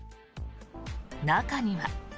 中には。